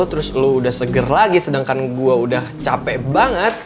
terus lo udah seger lagi sedangkan gue udah capek banget